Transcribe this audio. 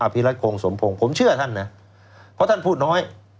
พิรัตคงสมพงศ์ผมเชื่อท่านนะเพราะท่านพูดน้อย